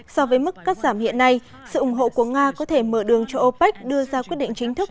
so với mức cắt giảm hiện nay sự ủng hộ của nga có thể mở đường cho opec đưa ra quyết định chính thức